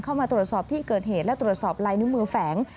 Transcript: เข้ามาตรวจสอบที่เกิดเหตุและตรวจสอบลายนิ้วมือแฝง